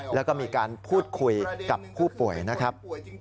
แล้วก็มีการพูดคุยกับผู้ป่วยนะครับ